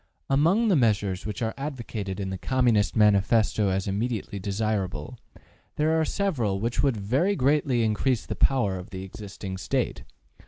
Among the measures which are advocated in the Communist Manifesto as immediately desirable, there are several which would very greatly increase the power of the existing State.